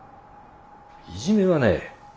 いじめはね